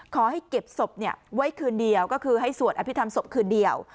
ขอให้เก็บศพไว้คืนเดียวก็คือให้สวดอภิษฐรรศพคืนเดียว